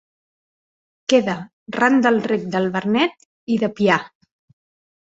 Queda ran del Rec del Vernet i de Pià.